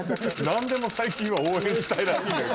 何でも最近は応援したいらしいのよ